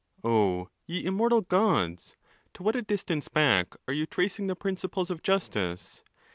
—Oh ye immortal Gods! to what a distance back are you tracing the principles of justice!